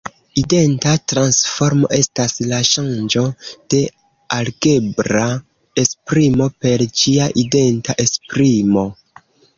Identa transformo estas la ŝanĝo de algebra esprimo per ĝia identa esprimo.